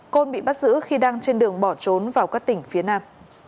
côn bị bắt giữ khi đang trên đường bỏ trốn vào các tỉnh phía nam